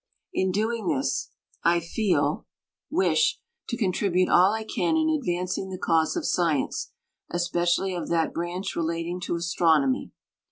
In doing this I feel [wish ?] to contribute all I can in ad vancing the cause of science, especially of that branch relating to astron omy.